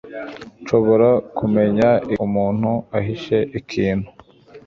Nshobora kumenya igihe umuntu ahishe ikintu.